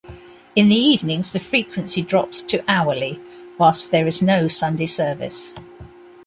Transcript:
In the evenings the frequency drops to hourly, whilst there is no Sunday service.